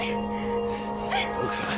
奥さん。